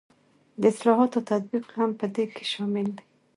د اصلاحاتو تطبیق هم په دې کې شامل دی.